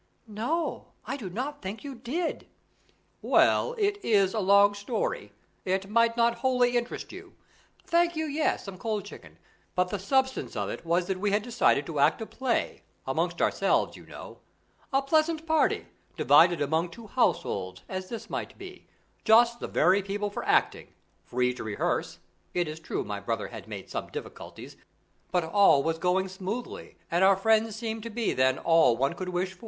"No, I do not think you did." "Well, it is a long story; it might not wholly interest you thank you, yes, some cold chicken but the substance of it was that we had decided to act a play, amongst ourselves, you know; a pleasant party divided among the two households, as this might be; just the very people for acting; free to rehearse it is true my brother had made some difficulties; but all was going smoothly and our friends seemed to be then all one could wish.